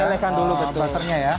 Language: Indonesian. dilelehkan dulu butter nya ya